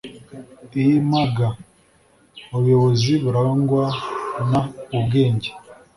Img ubuyobozi burangwa n ubwenge